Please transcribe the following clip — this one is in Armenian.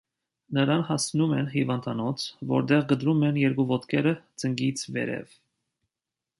Նրան հասցնում են հիվանդանոց, որտեղ կտրում են երկու ոտքերը ծնկից վերև։